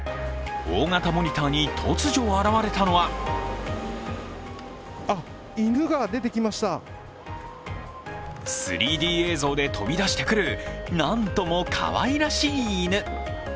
大型モニターに突如現れたのは３Ｄ映像で飛び出してくるなんともかわいらしい犬。